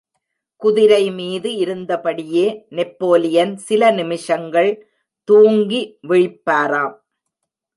குதிரைமீது இருந்தபடியே, நெப்போலியன் சில நிமிஷங்கள் தூங்கி விழிப்பாராம்.